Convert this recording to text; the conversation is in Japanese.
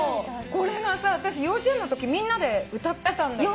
これがさ私幼稚園のときみんなで歌ってたんだけど。